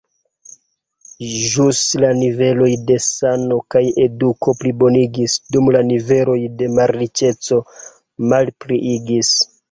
Ĵus la niveloj de sano kaj eduko plibonigis, dum la niveloj de malriĉeco malpliigis.